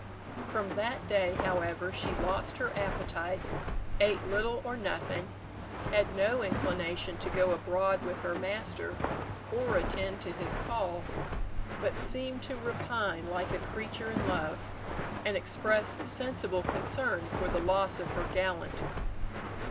From that day, however, she lost her appetite, ate little or nothing, had no inclination to go abroad with her master, or attend to his call, but seemed to repine like a creature in love, and express sensible concern for the loss of her gallant.